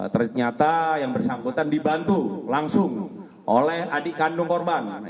ternyata yang bersangkutan dibantu langsung oleh adik kandung korban